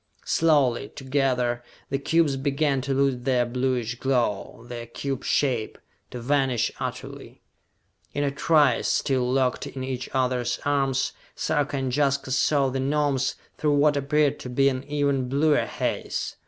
Slowly, together, the cubes began to lose their bluish glow, their cube shape to vanish utterly. In a trice, still locked in each other's arms, Sarka and Jaska saw the Gnomes through what appeared to be an even bluer haze.